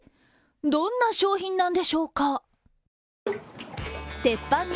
どんな商品なんでしょうか。